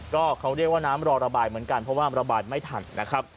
ก็เขาเรียกว่าน้ำรอระบายเหมือนกันเพราะว่าระบายไม่ทันนะครับ